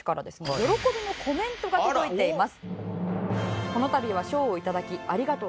喜びのコメントが届いています。